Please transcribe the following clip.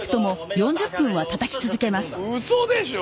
うそでしょ！？